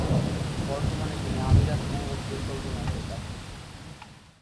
বর্তমানে তিনি আমিরাত মঙ্গল পরিকল্পনার হয়ে কাজ করছেন।